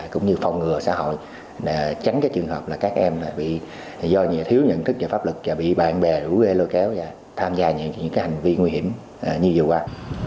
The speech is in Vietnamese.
cũng như phòng ngừa xã hội tránh trường hợp các em bị do nhiều thiếu nhận thức và pháp lực bị bạn bè rủ ghê lôi kéo và tham gia những hành vi nguy hiểm như vừa qua